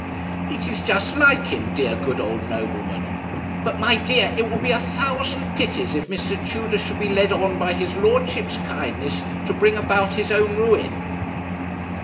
It is just like him, dear good old nobleman. But, my dear, it will be a thousand pities if Mr. Tudor should be led on by his lordship's kindness to bring about his own ruin.'